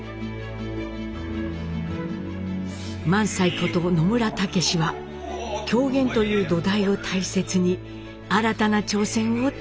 萬斎こと野村武司は狂言という土台を大切に新たな挑戦を続けています。